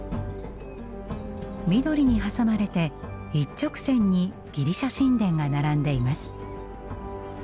緑に挟まれて一直線にギリシャ神殿が並んでいます。